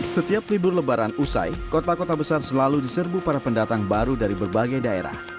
setiap libur lebaran usai kota kota besar selalu diserbu para pendatang baru dari berbagai daerah